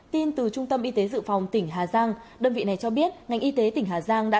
tin từ trung tâm y tế dự phòng tỉnh hà giang đơn vị này cho biết ngành y tế tỉnh hà giang đã